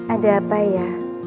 ada apa ya